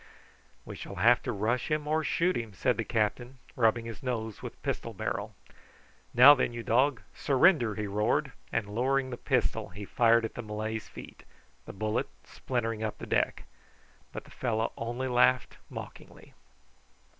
"We shall have to rush him or shoot him," said the captain, rubbing his nose with pistol barrel. "Now then, you dog; surrender!" he roared; and lowering the pistol he fired at the Malay's feet, the bullet splintering up the deck; but the fellow only laughed mockingly.